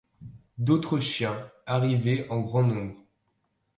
D’autres chiens arrivaient en grand nombre.